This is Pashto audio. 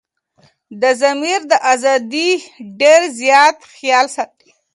دضمير دازادي ډير زيات خيال ساتي